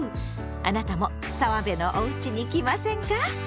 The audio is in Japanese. あなたも澤部のおうちに来ませんか？